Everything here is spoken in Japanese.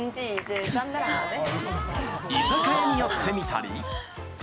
居酒屋に寄ってみたり。